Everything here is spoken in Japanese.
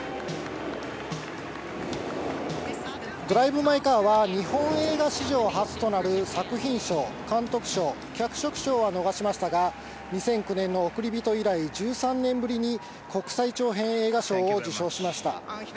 ドライブ・マイ・カーは、日本映画史上初となる作品賞、監督賞、脚色賞は逃しましたが、２００９年のおくりびと以来、１３年ぶりに国際長編映画賞を受賞しました。